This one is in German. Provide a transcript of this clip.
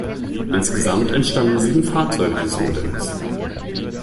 Insgesamt entstanden sieben Fahrzeuge dieses Modells.